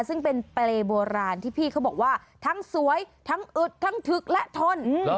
ซึ่งเป็นเปรย์โบราณที่พี่เขาบอกว่าทั้งสวยทั้งอึดทั้งถึกและทน